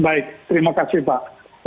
baik terima kasih pak